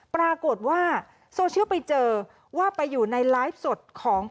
ปรากฏว่าโซเชียลไปเจอว่าไปอยู่ในไลฟ์สดของ